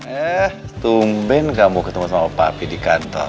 eh tumben kamu ketemu sama papi di kantor